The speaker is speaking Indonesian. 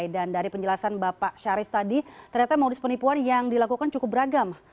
dan dari penjelasan bapak syarif tadi ternyata modus penipuan yang dilakukan cukup beragam